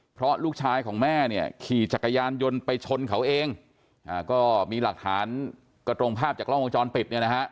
เพราะลูกชายของแม่เนี่ยขี่จักรยานยนต์ไปชนเขาเองก็มีหลักฐานก็ตรงภาพจากกล้องวงจรปิดเนี่ยนะฮะ